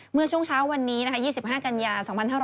เมื่อช่วงเช้าวันนี้๒๕กันยา๒๕๖๐